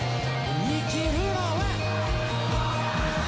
生きるのは。